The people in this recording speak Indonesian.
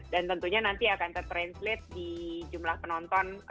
dan tentunya nanti akan ter translate di jumlah penonton